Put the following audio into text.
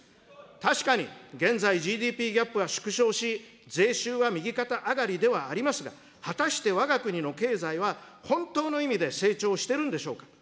確かに現在、ＧＤＰギャップは縮小し、税収は右肩上がりではありますが、果たしてわが国の経済は本当の意味で成長してるんでしょうか。